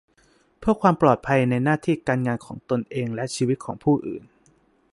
เพื่อความปลอดภัยในหน้าที่การงานของตนเองและชีวิตของผู้อื่น